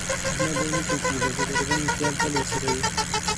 احمد یو نېک انسان دی. د غریبانو خیال تل ورسره وي.